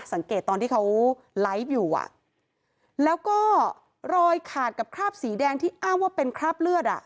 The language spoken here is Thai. สังเกตตอนที่เขาไลฟ์อยู่อ่ะแล้วก็รอยขาดกับคราบสีแดงที่อ้างว่าเป็นคราบเลือดอ่ะ